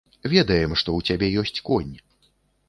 Ведаем, што ў цябе ёсць конь.